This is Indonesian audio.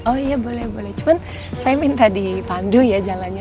oh iya boleh cuma saya minta di pandu ya jalannya